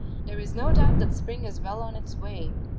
There is no doubt that Spring is well on its way.